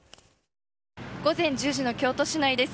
午前１０時の京都市内です。